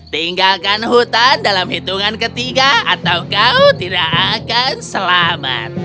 tinggalkan hutan dalam hitungan ketiga atau kau tidak akan selamat